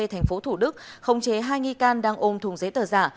thành phố thủ đức khống chế hai nghi can đang ôm thùng giấy tờ giả